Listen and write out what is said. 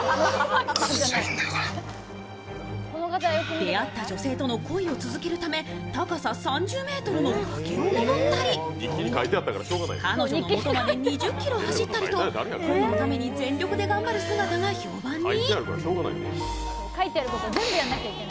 出会った女性との恋を続けるため高さ３０ｍの崖を登ったり、彼女のもとまで２０ｋｍ走ったりと、恋のために全力で頑張る姿が評判に。